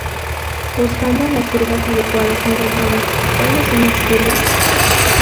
Buscando en las curvas adecuadas encontramos:¿Cuales son las curvas?